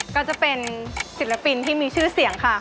ก็จะเป็นศิลปินที่มีชื่อเสียงค่ะ